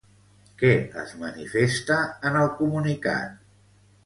Què es manifesta en el comunicat?